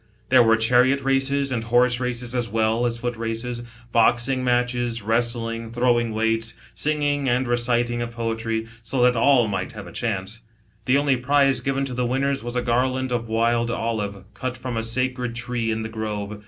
There were chariot races and horse races as well as foot races ; boxing matches, wrestling, throwing weights, singing and reciting of poetry, so that all might have a chance. The only prize given to the winners was a garland of wild olive, cut from a sacred tree in the grove.